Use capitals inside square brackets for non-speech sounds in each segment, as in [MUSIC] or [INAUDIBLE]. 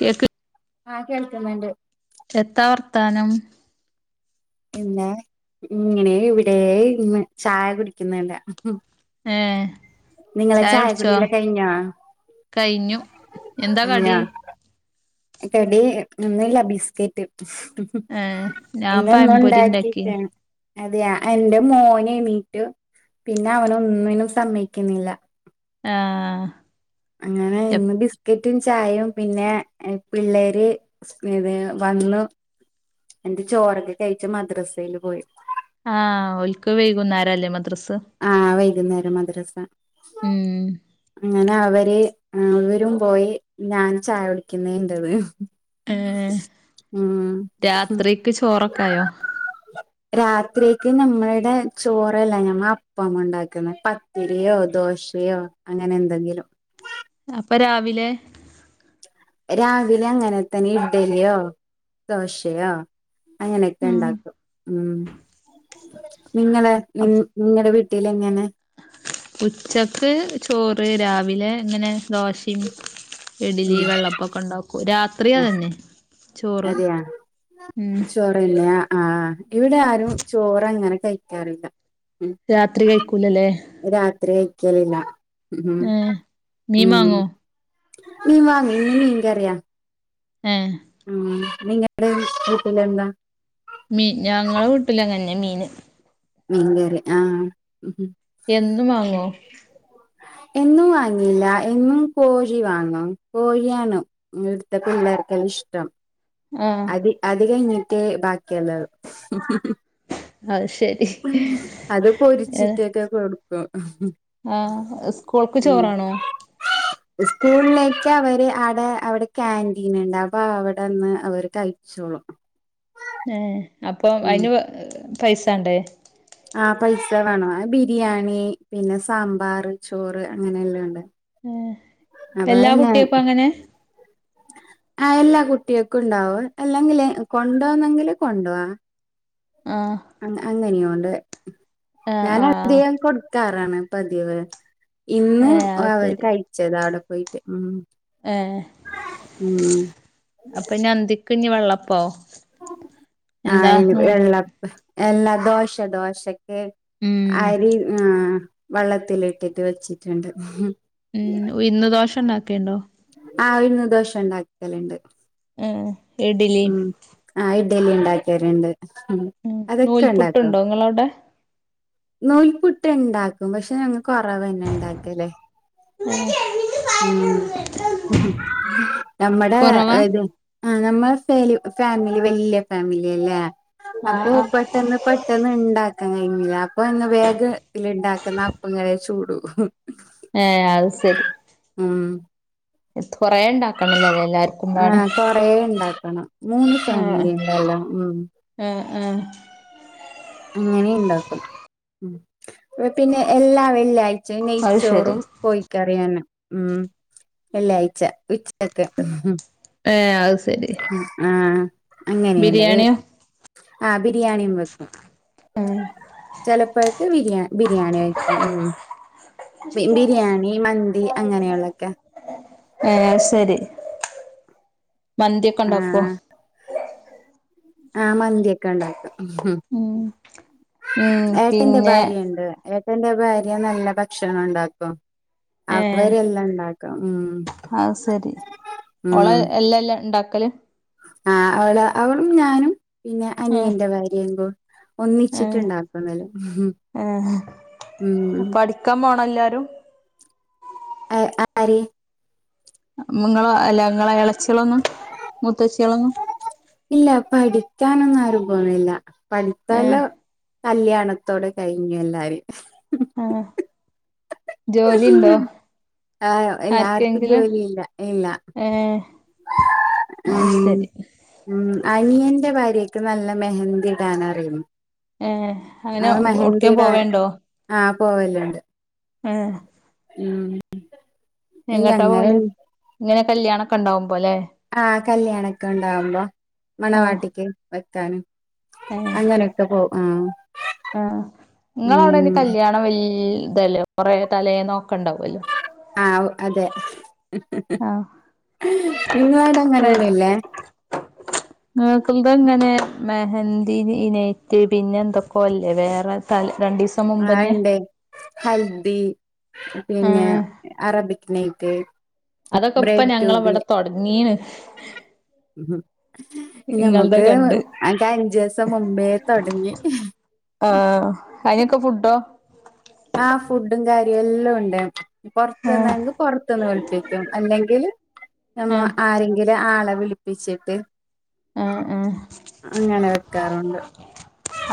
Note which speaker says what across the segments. Speaker 1: Cake
Speaker 2: ആഹ് കേൾക്കുന്നുണ്ട്.
Speaker 1: എത്താ വർത്താനം
Speaker 2: എന്നാ ഇങ്ങനെ ഇവിടെ ഇരുന്ന് ചായ കുടിക്കുന്ന്ണ്ട്.
Speaker 1: ഏ ചായ കുടിച്ചോ
Speaker 2: കുടിയെല്ല കഴിഞ്ഞോ
Speaker 1: കഴിഞ്ഞു എന്താ കടി
Speaker 2: ഈ കടി ഒന്നും ഇല്ല ബിസ്കറ്റ് ഉം ഉം
Speaker 1: ഏ ഞാൻ
Speaker 2: ഇന്ന് എന്ന
Speaker 1: പഴംപൊരി ഉണ്ടാക്കി
Speaker 2: ഉണ്ടാക്കിയെ അതെയ എന്റെ മോന് എണീറ്റു പിന്നെ അവന് ഒന്നിനും സമ്മയിക്കുന്നില്ല
Speaker 1: ആ
Speaker 2: അങ്ങനെ ഇന്ന് ബിസ്കറ്റും ചായയും പിന്നെ പിള്ളേര് സ്കൃതിയ വന്ന് എന്റെ ചോറ് ഒക്കെ കയ്യിച്ച് മദ്രസയില് പോയി
Speaker 1: ആഹ ഒലിക്ക് വൈകുന്നേരം അല്ലേ മദ്രസ്സ്
Speaker 2: ആഹ വൈകുന്നേരം മദ്രസ
Speaker 1: ഉം
Speaker 2: അങ്ങനെ അവര് അവരും പോയി ഞാൻ ചായ കുടിക്കുന്ന എന്റെത്
Speaker 1: ഏ
Speaker 2: ഉം
Speaker 1: രാത്രിക്ക് ചോറൊക്കായോ
Speaker 2: രാത്രിക്ക് നമ്മളടെ ചോറല്ല ഞമ്മ അ പ്പം ഉണ്ടാക്കുന്ന പത്തിരിയോ ദോശയോ അങ്ങനെ എന്തെങ്കിലും
Speaker 1: അപ്പ രാവിലെ
Speaker 2: രാവിലെ അങ്ങനെ തന്നെ ഇഡലിയോ ദോശയോ അങ്ങനെ ഒക്കെ
Speaker 1: ഉം
Speaker 2: ഉണ്ടാക്കും ഉ നിങ്ങളെ നി നിങ്ങളടെ വീട്ട ട്ടിലങ്ങനെ
Speaker 1: ഉച്ചക്ക് ചോറ് രാവിലെ എങ്ങനെ ദോശയും ഇഡലി വെള്ള അപ്പം ഒക്കെ ഉണ്ടാക്കും രാത്രിയാ അതന്നെ ചോറ് ഉം
Speaker 2: പില്ലേ അ ആ് ഇവിടെ ആരും ചോറ് അങ്ങനെ കയ്യിക്കാറില്ല
Speaker 1: രാത്രി കഴിക്കൂലല്ലേ
Speaker 2: രാത്രി കയ്യിക്കല് ഇല്ല ഉം
Speaker 1: ഏ മീൻ
Speaker 2: ഉം
Speaker 1: വാങ്ങോ
Speaker 2: മീൻ വാങ്ങി ഇന്ന് മീൻകറിയാ
Speaker 1: ഏ
Speaker 2: ഉ നിങ്ങളടെ വീട്ടിൽ എന്താ
Speaker 1: മീൻ ഞങ്ങളടെ വീട്ടിൽ അത് തന്നെ മീൻ
Speaker 2: മീൻ കറി ആഹ
Speaker 1: എന്നും വാങ്ങോ?
Speaker 2: എന്നും വാങ്ങില്ല എന്നും പോഴി വാങ്ങും പോഴിയാണ്- ഇവിടുത്തെ പിള്ളേർക്ക് എല്ല ഇഷ്ടം.
Speaker 1: ആഹ്
Speaker 2: അതി അധികഴിഞ്ഞിട്ട് ബാക്കി എല്ലതും ഉം ഉം ഉം
Speaker 1: ആത് ശരി.
Speaker 2: അത് പൊരിച്ചിട്ടെ ക്കെ കൊടുക്കും.
Speaker 1: ആഹ് സ്കൂൾക്ക്
Speaker 2: ഉം
Speaker 1: ചോറാണോ?
Speaker 2: സ്കൂളിലേക്ക് അവര് അടേ അവിടെ ക്യാന്റീൻ എണ്ട് അപ്പൊ അവിടെന്ന് അവര് കഴി ഴിച്ചോളും
Speaker 1: ഏഹ് അപ്പൊ അയിന് പൈസണ്ടേ?
Speaker 2: ആഹ് പൈസ വേണം ബിരിയാണി പിന്നെ സാമ്പാർ ചോറ് അങ്ങനെ എല്ലാണ്ട്
Speaker 1: ഏഹ് എല്ലാ കുട്ടിയക്കും അങ്ങനെ
Speaker 2: ആഹ് എല്ലാ കുട്ടികൾക്കും ഉണ്ടാവും അല്ലെങ്കില് കൊണ്ടു വന്നെങ്കില് കൊണ്ടോവാ
Speaker 1: ആഹ്.
Speaker 2: അഹ് അങ്ങനെയൊണ്ട്
Speaker 1: ആഹ്
Speaker 2: ഞാൻ
Speaker 1: ആഹ്
Speaker 2: അധികം കൊടുക്കാറാണ് പതിവ്. ഇന്ന്
Speaker 1: ഏഹ് അത്
Speaker 2: അവൊര്
Speaker 1: ശരി
Speaker 2: കയിച്ചത അവിടെ പോയിട്ട് ഉം.
Speaker 1: ഏഹ്
Speaker 2: ഉം
Speaker 1: അപ്പനി അന്തിക്ക് ഇനി വെള്ളപ്പോ? എന്താ
Speaker 2: ആഹ്
Speaker 1: നൂ
Speaker 2: വെള്ളപ്പ എല്ലാ ദോശ ദോശക്ക്
Speaker 1: ഉം..
Speaker 2: അരി ആഹ് വള്ളത്തിലിട്ടിട്ട് വെച്ചിട്ടുണ്ട് ഉം.
Speaker 1: ഉം ഉഴുന്ന് ദോഷ ഇണ്ടാക്കിയണ്ടോ?
Speaker 2: ആഹ് ഉഴുന്ന് ദോഷം ഇണ്ടാക്കൽണ്ട്.
Speaker 1: ഏഹ്. ഇഡ്ലി
Speaker 2: ഉം ആഹ് ഇഡലി ഇണ്ടാക്കിയറണ്ട്.
Speaker 1: ഉം
Speaker 2: അതൊക്കെ ഇണ്ടാക്കാം.
Speaker 1: നൂൽപുട്ടുണ്ടോ നിങ്ങളവിടെ
Speaker 2: നൂൽപ്പുട്ട് ഇണ്ടാക്കും പക്ഷെ ഞങ്ങ കൊറവന്നെ ഇണ്ടാക്കല്. ഉം ഉഹ്. നമ്മടെ
Speaker 1: കുറവാ
Speaker 2: എതും ആഹ് നമ്മള ഫാലി ഫാമിലി വല്യ ഫാമിലി അല്ല്യേ.
Speaker 1: ആഹ് ആഹ്
Speaker 2: അപ്പോപ പെട്ടെന്ന് പെട്ടെന്ന് ഇണ്ടാക്കാൻ കൈഞ്ഞില്ല അപ്പൊ ഒന്ന് വേഗ ൽ ഇണ്ടാക്കുന്ന അപ്പങ്ങളെ ചൂടു.
Speaker 1: ഏഹ് അയ് സെരി.
Speaker 2: ഉം.
Speaker 1: ത്ത് കൊറേ ഇണ്ടാക്കണല്ലല്ലേ എല്ലാരി.
Speaker 2: ആഹ് കൊറെ ഇണ്ടാക്കണം മൂന്ന് ഫാമിലി ഇണ്ടല്ലോ ഉം.
Speaker 1: ഏഹ്ഏഹ്.
Speaker 2: അങ്ങനെ ഇണ്ടാക്കും ഉം പിന്നെ എല്ലാ വെള്ളിയാഴ്ചെ
Speaker 1: അത് ശെരി
Speaker 2: നെയ്ച്ചോറും കോയിക്കറിയാനെ ഉം വെള്ളിയാഴ്ച ഉച്ചക്ക് ഉംഹ്-.
Speaker 1: ഏഹ് അയ് സെരി.
Speaker 2: അ ആഹ് അങ്ങനെയണ്ടത്.
Speaker 1: ബിരിയാണിയോ
Speaker 2: ആഹ് ബിരിയാണിയും വെക്കും
Speaker 1: ഉം
Speaker 2: ചെലപ്പഴ് ന്ന് ബിരിയാണി ബിരിയാണി വെയിക്കും ഉം ഉം ബി ബിരിയാണി മന്തി അങ്ങനെയുള്ളൊക്കെ
Speaker 1: ഏഹ് ശരി മന്തിയൊക്കെ ഇണ്ടാക്കോ?
Speaker 2: ആഹ് ആഹ് മന്തിയൊക്കെ ഇണ്ടാക്കും ഹ്മ്
Speaker 1: ഉം ഉം
Speaker 2: ഹ് ഏട്ടന്റെ
Speaker 1: പിന്നെ
Speaker 2: ഭാര്യണ്ട്. ഏട്ടന്റെ ഭാര്യ നല്ല ഭക്ഷണം ഉണ്ടാക്കും.
Speaker 1: ഏഹ്
Speaker 2: അവരെല്ലാം ഇണ്ടാക്കും ഉം.
Speaker 1: ഓളാ
Speaker 2: ഉം
Speaker 1: എല്ലഎല്ലാം ഇണ്ടാക്കല്
Speaker 2: ആഹ് അവള് അവളും ഞാനും പിന്നെ
Speaker 1: ആഹ്
Speaker 2: അനിയന്റെ ഭാര്യയും കു
Speaker 1: ആഹ്
Speaker 2: ഒന്നിച്ചിട്ടുണ്ടാക്കുന്നൽ ഉം.
Speaker 1: ആഹ് പഠിക്കാൻ പോണം എല്ലാരും?
Speaker 2: അ ആര്?
Speaker 1: ഹ്മ് നിങ്ങള അല്ല ഇങ്ങളെ എളച്ചിയാളൊന്നും മുത്തച്ചിയാളൊന്നും.
Speaker 2: ഇല്ല പഠിക്കാനൊന്നും ആരും പോണില്ല
Speaker 1: ഏഹ്
Speaker 2: പഠിപ്പെല്ലാ. കല്യാണത്തോടെ കഴിഞ്ഞു എല്ലാരിം.
Speaker 1: ആഹ് ജോലിണ്ടോ?
Speaker 2: ആഹ് എല്ലാർക്കും
Speaker 1: ആർക്കെങ്കിലും
Speaker 2: ജോലിയില്ല ഇല്ല.
Speaker 1: അഹ്
Speaker 2: ഉം
Speaker 1: സെരി.
Speaker 2: ഉം അനിയന്റെ ഭാര്യക്ക് നല്ല മെഹന്തി ഇടാൻ അറിയും.
Speaker 1: ഏഹ് അങ്ങനെ
Speaker 2: അവൻ മെഹന്തി
Speaker 1: എഉട്ക്കേൻ
Speaker 2: ഇടാൻ
Speaker 1: പോവൽണ്ടോ?
Speaker 2: ആഹ് പോവല്ണ്ട്.
Speaker 1: ഏഹ്.
Speaker 2: ഉം.
Speaker 1: എങ്ങട്ടാ
Speaker 2: ഞങ്ങള്
Speaker 1: പോവല് ഇങ്ങനെ കല്യാണൊക്കെ ഇണ്ടാവുമ്പോ ലെ.
Speaker 2: ആഹ് കല്യാണൊക്കെ ഇണ്ടാവുമ്പോ
Speaker 1: ആഹ്
Speaker 2: മണവാട്ടിക്ക് വെക്കാനും
Speaker 1: ഏഹ്
Speaker 2: അങ്ങനെ. ക്കെ പോവും ആഹ്.
Speaker 1: ആഹ് ഇങ്ങളഉടെന്
Speaker 2: ഉം
Speaker 1: കല്യാണം വല് തല്ലേ കൊറെേ തലേന്നൊക്കെണ്ടാവല്ലോ.
Speaker 2: ആഹ് അതെ
Speaker 1: ആഹ്
Speaker 2: നിങ്ങളഉടെ അങ്ങനൊന്നും ഇല്ലേ?
Speaker 1: [INAUDIBLE] ഇങ്ങക്കിമ്പെങ്ങനെമെഹന്തി ഇ നേറ്റ് പിന്നെ എന്തൊക്ക അല്ലേ വേറെ തലെ രണ്ടിസ.
Speaker 2: ആ ഇണ്ട് ഹൽദി പിന്നെ
Speaker 1: ഏഹ്
Speaker 2: അറബിക്നെയ്റ്റ്.
Speaker 1: അതൊക്കെ ഇപ്പ ഞങ്ങളവടെ തൊടങ്ങീണ്
Speaker 2: ഉ
Speaker 1: ഇങ്ങൾതെ
Speaker 2: നമ്മുക്ക്
Speaker 1: കണ്ട്
Speaker 2: അ അഞ്ചദിവസം മുമ്പേ തൊടങ്ങി
Speaker 1: ആ അയ്നൊക്കെ ഫുഡോ
Speaker 2: ആ ഫുഡും കാര്യും എല്ലാംണ്ട് പൊറത്ത്ന്നാ
Speaker 1: ഏഹ്
Speaker 2: പൊർ ത്ന്ന് വിളിപ്പിക്കും അല്ലെങ്കിൽ നമ്മ
Speaker 1: ഏഹ്
Speaker 2: ആരെങ്കിലും ആളെ വിളിപ്പിച്ചിട്ട്
Speaker 1: ആഹ് ആഹ്
Speaker 2: അങ്ങനെ വെക്കാറുണ്ട്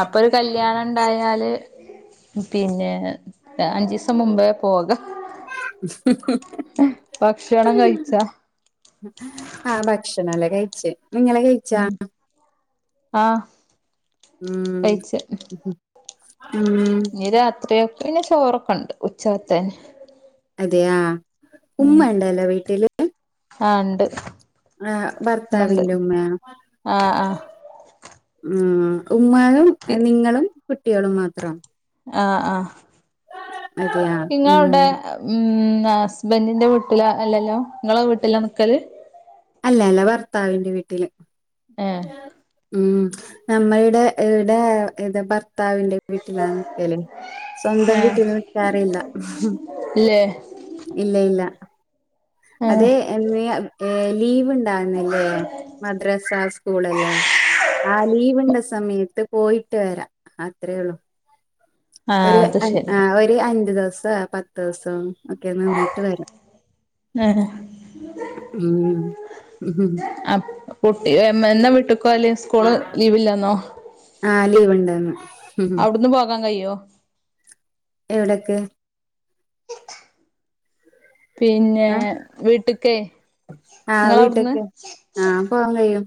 Speaker 1: അപ്പൊരു കല്യാണം ണ്ടായാല് പിന്നെ അൻച്ചീസം മുമ്പേ പോകാ ഭക്ഷണം കഴിച്ചാ
Speaker 2: ആ ഭക്ഷണല്ലാം കഴിച്ച് നിങ്ങള് കഴി
Speaker 1: ആഹ് കഴിച്ച്
Speaker 2: ഉം ഉം
Speaker 1: ഇ രാത്രിയക്കെള്ളെ ചോറൊക്കെ ഉണ്ട് ഉച്ചത്തന്നെ
Speaker 2: അതെയ ഉമ്മണ്ടല്ലോ വീട്ടില്
Speaker 1: ആ ഹ് ണ്ട്
Speaker 2: ആ ഭർത്താവിന്റെ ഉമ്മയാ
Speaker 1: ആഹ് ആഹ്
Speaker 2: ഉം ഉമ്മായും നിങ്ങളും കുട്ടികളും മാത്ര
Speaker 1: ആ ഹ് ആ ഹ്
Speaker 2: അതെയാ ഉം
Speaker 1: നിങ്ങളവടെ ഉം ഹസ്ബൻഡിൻ്ന്റെ വീട്ടില അല്ലല്ലോ നിങ്ങളെ വീട്ടിലാ നിക്കല്
Speaker 2: അല്ലല്ല ഭർത്താവിന്റെ വീട്ടില്
Speaker 1: ഏഹ്
Speaker 2: ഉം നമ്മളുടെ ടെ ഇത് ഭർത്താവിന്റെ വീട്ടിലാ നിക്കല് സ്വന്തം
Speaker 1: ഏഹ്
Speaker 2: വീട്ടിൽ നിക്കാറില്ല
Speaker 1: ഇല്ലേ
Speaker 2: ഇല്ല ഇല്ല
Speaker 1: ആഹ്
Speaker 2: അതെ ഈ ലീവ് ഉണ്ടാവുന്നില്ലേ മദ്രാസ സ്കൂളല്ലോ ആ ലീവിണ്ട സമയത്ത് പോയിട്ട് വരാ അത്രേള്ളു
Speaker 1: ആഹ്
Speaker 2: ഒരു
Speaker 1: അത് ശരി
Speaker 2: ഒരു അഞ്ച് ദിവസം പത്ത് ദിവസം ഒക്കെ നിന്നിട്ട് വരാ
Speaker 1: ഏങ്ങെനെ
Speaker 2: ഉം ഉം.
Speaker 1: അപ്പോ പൂട്ടി എന്നാ വിട്ടികോവല് സ്കൂള് ലീവില്ലന്നോ
Speaker 2: ആ ലീവ് ഉണ്ടന്ന്
Speaker 1: അവുടുന്ന് പോകാൻ കയ്യോ
Speaker 2: എവ്ടെക്ക്
Speaker 1: പിന്നെ വീട്ട്ക്കെ ഇങ്ങളവ്ടുന്ന്
Speaker 2: പോകാകയ്യും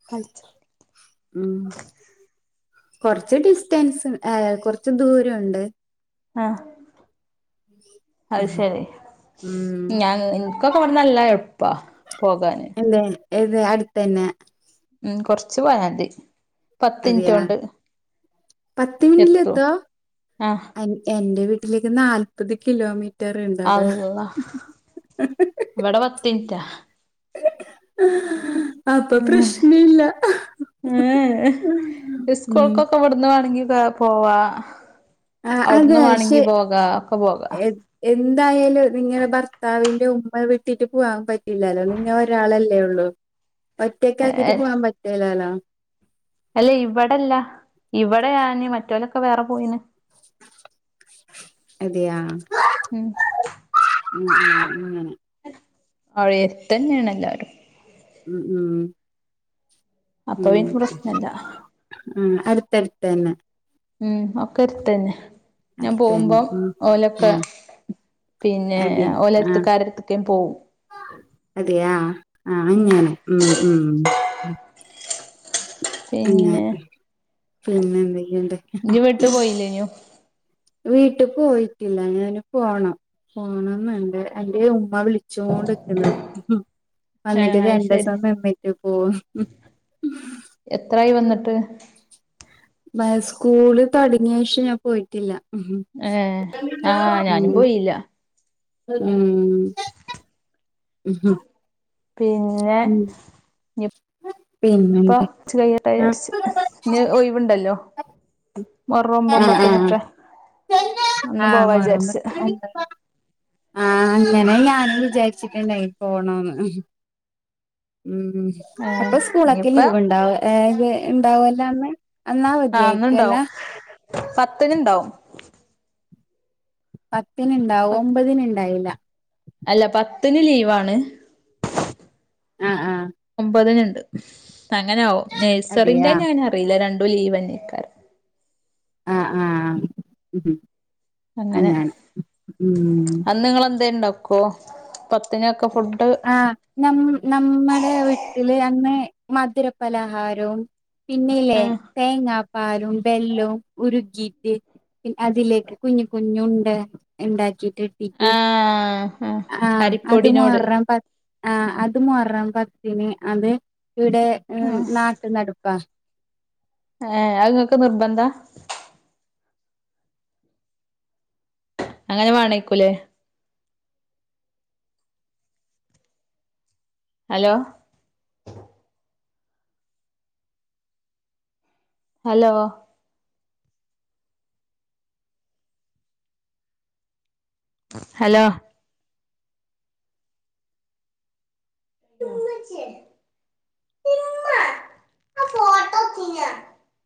Speaker 1: [UNINTELLIGIBLE]
Speaker 2: ഉം കൊറച്ച് ഡിസ്റ്റൻസ് ഏ കൊറച്ച് ദൂരണ്ട്
Speaker 1: ആഹ് അത് ശരി
Speaker 2: ഉം
Speaker 1: ഞാൻ ഇൻക്കൊക്കെ ഇവട്ന്ന് നല്ല എള്പ്പാ പോകാന്
Speaker 2: എന്തെ ഏത് അട്ത്തന്നെ
Speaker 1: ഉം കൊറച്ച് പോയാതി
Speaker 2: അതെയാ പത്ത്
Speaker 1: എത്തും
Speaker 2: മിനിറ്റിലെത്തോ
Speaker 1: ആഹ്
Speaker 2: എ എന്റെ വീ ട്ടിലേക്ക് നാല്പ്പത് കിലോമീ
Speaker 1: അള്ളാ ‌ ഇവടെ പത്തിൻറ്റാ
Speaker 2: [UNINTELLIGIBLE] അപ്പൊ പ്രശ്നല്ല ഉം
Speaker 1: ഇപ്പ ഇവട്ന്ന് വാണെങ്കി കേ പോവാ
Speaker 2: അതെ
Speaker 1: അവിടുന്ന്
Speaker 2: ശെ
Speaker 1: മാണെങ്കി പോകാ ഒക്കെ പോകാ
Speaker 2: എന്തായാലും നിങ്ങളെ ഭർത്താവിന്റെ ഉമ്മ വിട്ടിട്ട് പോവാൻ പറ്റില്ലല്ലോ നിങ്ങ ഒരാളല്ലേ ഒള്ളൂ ഒറ്റക്കാക്കിട്ട് പോവാൻ പറ്റൂലാല്ലോ
Speaker 1: അല്ലേ ഇവിടെല്ല ഇവിടെ ഞാന് മറ്റോലൊക്കെ വേറെ പോയിന്
Speaker 2: അതെയാ
Speaker 1: ഉം
Speaker 2: ഉം ഉം അങ്ങനെ
Speaker 1: അവ്ടെ എട്ത്തെന്നാണ് എല്ലാരും
Speaker 2: ഉം ഉം
Speaker 1: അപ്പൊ
Speaker 2: ഉം
Speaker 1: പിന്നെ പ്രശ്നല്ല
Speaker 2: ആഹ് അട്ത്തട്ത്തെന്നെ
Speaker 1: ഉം ഒക്കെര്ത്തെന്നെ ഞാൻ
Speaker 2: അടുത്തന്നെ
Speaker 1: പോവുമ്പം
Speaker 2: ഉം
Speaker 1: ഓലൊക്കെ
Speaker 2: ഉം
Speaker 1: പിന്നെ
Speaker 2: അതെയ ആഹ്
Speaker 1: ഓലര്ത്ത്ക്ക് ആരെട്ത്ത്ക്കെ പോവും
Speaker 2: അതെയാ ആഹ്
Speaker 1: ഉം
Speaker 2: അങ്ങനെ ഉം ഉം അങ്ങെ
Speaker 1: പിന്നെ
Speaker 2: പിന്നെ എന്തൊക്കെയുണ്ട്
Speaker 1: ഇല്ല്യയോ
Speaker 2: വീട്ട് പോയിട്ടില്ല ഞാന് പോണം പോണന്ന്ണ്ട് എന്റെ ഉമ്മ വിളി ച്ചോണ്ട്ക്ക്ണ് വന്നിട്ട്
Speaker 1: ഏഹ് അത് ശരി
Speaker 2: രണ്ടീസം നിന്നിട്ട് പോ
Speaker 1: എത്രായി വന്ന്ട്ട്
Speaker 2: ബാ സ്കൂള് തൊടങ്യേഷം ഞാൻ പോയിട്ടില്ല
Speaker 1: ഏഹ് ആഹ്
Speaker 2: ഉം
Speaker 1: ഞാനും പോയില്ല
Speaker 2: ഉം
Speaker 1: പിന്നെ
Speaker 2: ഉം
Speaker 1: ഇപ്പൊ
Speaker 2: പിന്നെന്താ
Speaker 1: ച്ച് കയ്യെട്ടെ
Speaker 2: ആഹ്
Speaker 1: വിചാരിച്ച് ഇഞ്ഞ് ഒഴിവ്ണ്ടല്ലോ
Speaker 2: ആഹ് ആഹ്
Speaker 1: അന്ന്
Speaker 2: ആഹ്
Speaker 1: പോവാ
Speaker 2: മൊഹറം
Speaker 1: വിചാരിച്ച്
Speaker 2: പത്ത് ആഹ് അങ്ങനെ ഞാനും വിചാരിച്ച്ട്ട്ണ്ടായി പോണോന്ന് ഉം
Speaker 1: ഏ
Speaker 2: അപ്പൊ സ്കൂളൊക്കെ
Speaker 1: ഇനിയിപ്പ
Speaker 2: ലീവ്ണ്ടാവോ ഏ ഇണ്ടാവൂല അന്ന് അന്ന്
Speaker 1: ആഹ്
Speaker 2: അവധിയായിരിക്കും അല്ല
Speaker 1: അന്ന്ണ്ടാവും പത്തിന്ണ്ടാവും
Speaker 2: പത്തിന്ണ്ടാവും ഒമ്പതിന്ണ്ടാവില്ല
Speaker 1: അല്ല പത്തിന് ലീവാണ്
Speaker 2: ആഹ് ആഹ്
Speaker 1: ഒമ്പതിന്ണ്ട് അങ്ങനാവും നേഴ്സറിന്റെ
Speaker 2: അതെയാ
Speaker 1: ഇഞ്ഞെങ്ങനെ അറിയില്ല രണ്ടും ലീവന്നേക്കാരം
Speaker 2: ആഹ് ആഹ്
Speaker 1: അങ്ങനെ
Speaker 2: ഉം
Speaker 1: അന്ന് ഇങ്ങളെന്തേ ഇണ്ടാക്കോ പത്തിനൊക്കെ ഫുഡ്
Speaker 2: ആ നമ്മ നമ്മടെ വീട്ടില് അന്ന് മധുര പലഹാരവും
Speaker 1: ആ
Speaker 2: പിന്നല്ലേ തേങ്ങാപ്പാലും ബെല്ലും ഉരുകീയിട്ട് പിന്നെ അതിലേക്ക് കുഞ്ഞ് കുഞ്ഞു ഉണ്ട ഇണ്ടാക്കിട്ട് ട്ട്
Speaker 1: ആ ആ
Speaker 2: ആഹ് അത്
Speaker 1: അരിപ്പൊടിനോട്
Speaker 2: മുഹറം പ ആ അത് മുഹറം പത്തിന് അത് ഇവിടെ
Speaker 1: ആ
Speaker 2: നാട്ട് നടപ്പ് പ്പാ
Speaker 1: ഏ അഹ് ഇങ്ങക്ക് നിർബന്ധാ അങ്ങനെ വാണയ്ക്കൂലേ ഹലോ ഹലോ ഹലോ ഇമ്മച്ച്യ ആ ഫോട്ടോ തിന്നാ